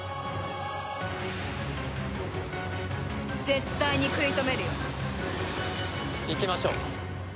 絶対に食い止めるよ。いきましょう。